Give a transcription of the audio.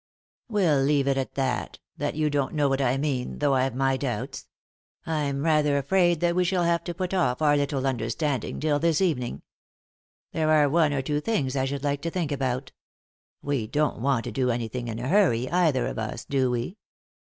126 Ag sizeODy GOOglC THE INTERRUPTED KISS "We'll leave it at that— that you don't know what I mean, though I've my doubts. I'm rather afraid that we shall have to put off our little under standing till this evening. There are one or two things I should like to think about; we don't want to do anything in a hurry, either of us, do we?